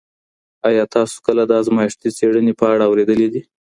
آیا تاسو کله د ازمایښتي څېړني په اړه اورېدلي دي؟